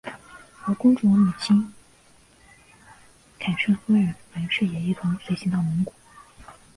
而公主的母亲钦圣夫人袁氏也一同随行到蒙古。